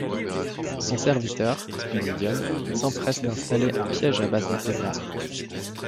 Son serviteur, Spiridione, s'empresse d'installer un piège à base de pétards.